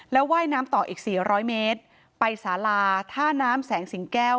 แล้วว่ายน้ำต่ออีก๔๐๐เมตรไปสาลาท่าน้ำแสงสิงแก้ว